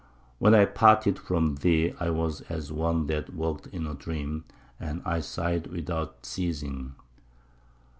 When I parted from thee I was as one that walketh in a dream, and I sighed without ceasing."